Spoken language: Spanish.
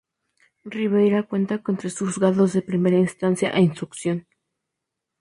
Ribeira cuenta con tres Juzgados de Primera Instancia e Instrucción.